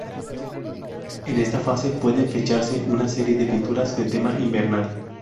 En esta fase pueden fecharse una serie de pinturas de tema invernal.